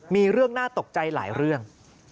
มีเรื่องน่าตกใจหลายเรื่อง